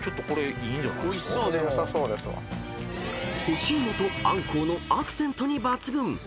［干し芋とアンコウのアクセントに抜群！］